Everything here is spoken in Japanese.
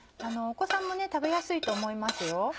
お子さんも食べやすいと思いますよ。